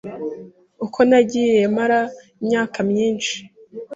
Uko nagiye mara imyaka myinshi,